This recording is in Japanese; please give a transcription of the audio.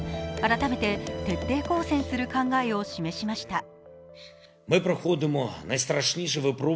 改めて徹底抗戦する考えを示しました。